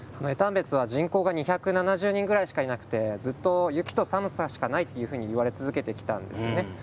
江丹別は人口が２７０人ぐらいしかいなくて、ずっと雪と寒さしかないというふうにいわれ続けてきたんですよね。